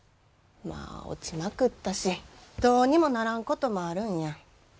まあ落ちまくったしどうにもならんこともあるんや。